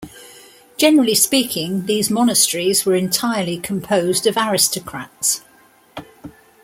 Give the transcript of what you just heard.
Generally speaking, these monasteries were entirely composed of aristocrats.